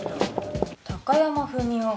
高山文夫。